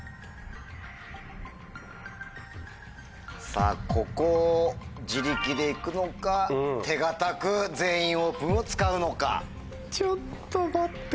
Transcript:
さぁここを自力で行くのか手堅く「全員オープン」を使うのか。